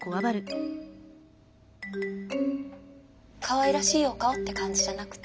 かわいらしいお顔って感じじゃなくて。